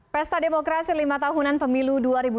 pesta demokrasi lima tahunan pemilu dua ribu sembilan belas